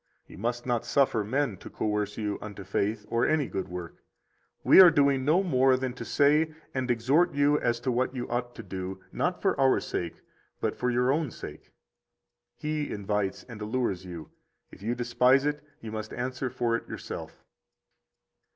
You must not suffer men to coerce you unto faith or any good work. We are doing no more than to say and exhort you as to what you ought to do, not for our sake, but for your own sake. He invites and allures you; if you despise it, you must answer for it yourself.